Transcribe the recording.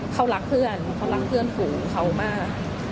เขารักเพื่อนเขารักเพื่อนฝูงเขามาก